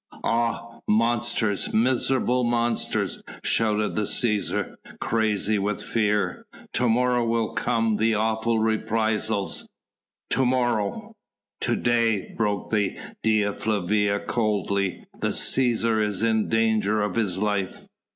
"Ah, monsters! miserable monsters!" shouted the Cæsar, crazy with fear, "to morrow will come the awful reprisals ... to morrow ..." "To day," broke in Dea Flavia coldly, "the Cæsar is in danger of his life."